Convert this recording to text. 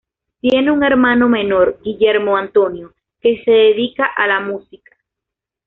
Tiene un hermano menor, Guillermo Antonio, que se dedica a la música.